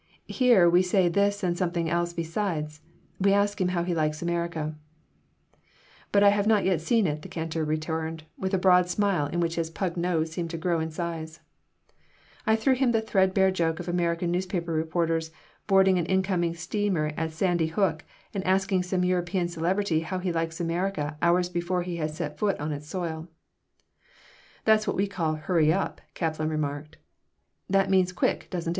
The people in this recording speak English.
"Here we say this and something else, besides. We ask him how he likes America." "But I have not yet seen it," the cantor returned, with a broad smile in which his pug nose seemed to grow in size I told him the threadbare joke of American newspaper reporters boarding an incoming steamer at Sandy Hook and asking some European celebrity how he likes America hours before he has set foot on its soil "That's what we call 'hurry up,'" Kaplan remarked "That means quick, doesn't it?"